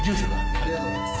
ありがとうございます。